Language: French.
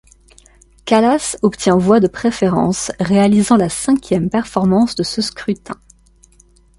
Kallas obtient voix de préférence, réalisant la cinquième performance de ce scrutin.